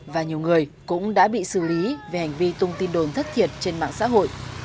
và nhiều người cũng đã bị xử lý về hành vi tung tin đồn thất thiệt trên mạng xã hội